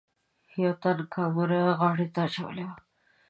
یوه تن کامره غاړې ته اچولې وه.